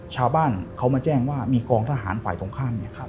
ชาวบ้านเขามาแจ้งว่ามีกองทหารฝ่ายตรงข้ามเนี่ย